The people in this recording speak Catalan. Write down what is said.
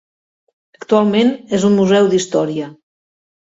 Actualment és un museu d'història.